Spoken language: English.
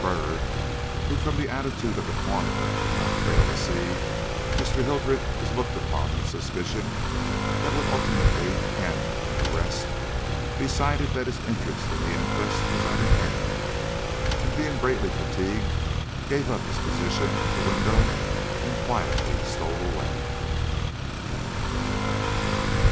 Byrd, who from the attitude of the coroner could not fail to see Mr. Hildreth was looked upon with a suspicion that would ultimately end in arrest, decided that his interest in the inquest was at an end, and being greatly fatigued, gave up his position at the window and quietly stole away.